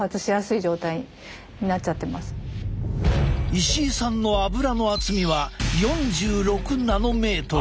石井さんのアブラの厚みは４６ナノメートル。